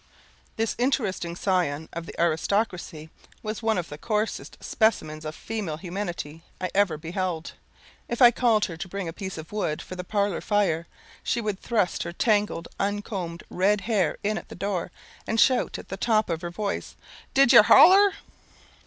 This interesting scion of the aristocracy was one of the coarsest specimens of female humanity I ever beheld. If I called her to bring a piece of wood for the parlour fire, she would thrust her tangled, uncombed red head in at the door, and shout at the top of her voice, "Did yer holler?"